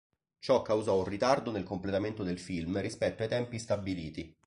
Ciò causò un ritardo nel completamento del film rispetto ai tempi stabiliti.